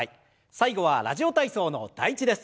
最後は「ラジオ体操」の第１です。